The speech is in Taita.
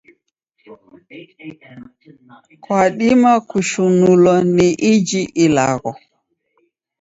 Kwadima kushinulwa ni iji ilagho.